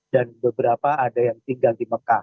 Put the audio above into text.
dan beberapa ada yang tinggal